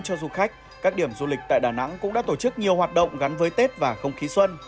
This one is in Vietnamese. cho du khách các điểm du lịch tại đà nẵng cũng đã tổ chức nhiều hoạt động gắn với tết và không khí xuân